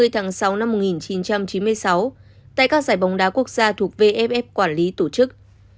tại các giải bóng đá quốc gia thuộc vff quản lý tổ chức